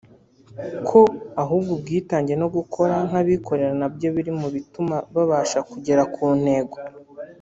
ko ahubwo ubwitange no gukora nk’abikorera nabyo biri mu bituma babasha kugera ku ntego